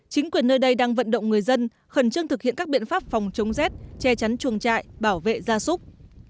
chính quyền nơi đây đang vận động người dân khẩn trương thực hiện các biện pháp phòng chống rét che chắn chuồng trại bảo vệ gia súc